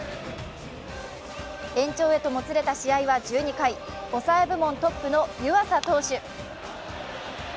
延長へともつれた試合は１２回抑え投手部門トップの湯浅選手。